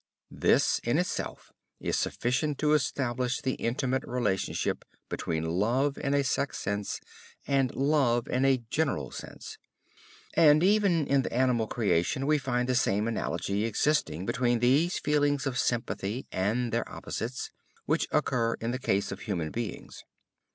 This in itself is sufficient to establish the intimate relationship between love in a sex sense and love in a general sense. And even in the animal creation we find the same analogy existing between these feelings of sympathy and their opposites which occur in the case of human beings.